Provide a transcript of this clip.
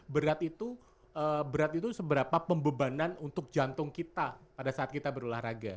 berat itu berat itu seberapa pembebanan untuk jantung kita pada saat kita berolahraga